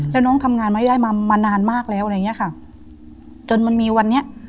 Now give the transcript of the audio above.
แล้วน้องทำงานมาได้มามานานมากแล้วอะไรอย่างเงี้ยค่ะจนมันมีวันนี้